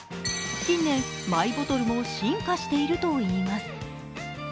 近年、マイボトルも進化しているといいます。